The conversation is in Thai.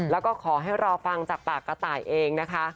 แล้วก็ขอให้รอฟังจากปากกระต่ายเองนะคะ